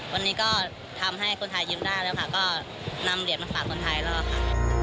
วันนี้ก็ทำให้คนไทยยิ้มได้แล้วค่ะก็นำเหรียญมาฝากคนไทยแล้วค่ะ